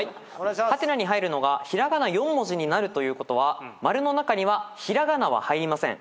「？」に入るのが平仮名４文字になるということはマルの中には平仮名は入りません。